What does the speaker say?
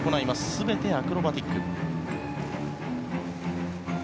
全てアクロバティック。